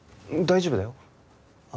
大丈夫だよ。